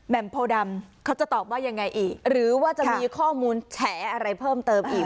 โพดำเขาจะตอบว่ายังไงอีกหรือว่าจะมีข้อมูลแฉอะไรเพิ่มเติมอีก